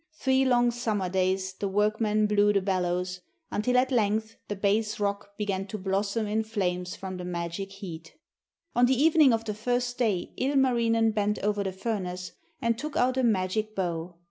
Three long summer days the workmen blew the bellows, until at length the base rock began to blossom in flames from the magic heat. On the evening of the first day Ilmarinen bent over the furnace and took out a magic bow.